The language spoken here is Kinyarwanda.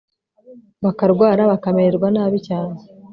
bakarwara bakamererwa nabi cyane